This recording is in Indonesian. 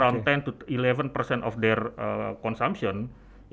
jadi sekitar sepuluh sebelas konsumsi mereka